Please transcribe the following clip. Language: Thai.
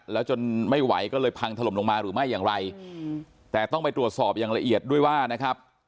แล้วจนไม่ไหวก็เลยพังถล่มลงมาหรือไม่อย่างไรแต่ต้องไปตรวจสอบอย่างละเอียดด้วยว่านะครับ